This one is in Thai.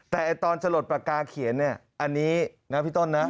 แต่ตอนสลดปากกาเขียนเนี่ยอันนี้นะพี่ต้นนะ